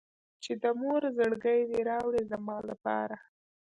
چې د مور زړګی دې راوړي زما لپاره.